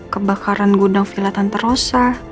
kebakaran gudang villa tante rosa